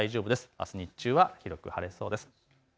あす日中は広く晴れそうです。